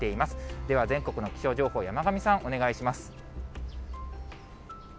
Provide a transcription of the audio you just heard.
では、全国の気象情報、山神さん、お願いします。